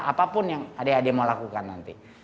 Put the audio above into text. apapun yang adik adik mau lakukan nanti